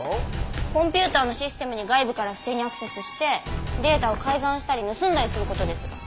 コンピューターのシステムに外部から不正にアクセスしてデータを改ざんしたり盗んだりする事です。